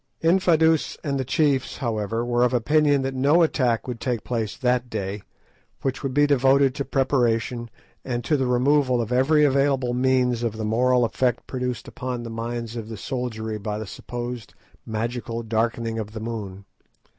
Infadoos and the chiefs, however, were of opinion that no attack would take place that day, which would be devoted to preparation and to the removal of every available means of the moral effect produced upon the minds of the soldiery by the supposed magical darkening of the moon.